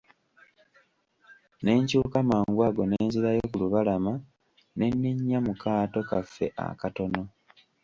Ne nkyuka mangu ago ne nzirayo ku lubalama ne nninnya mu kaato kaffe akatono.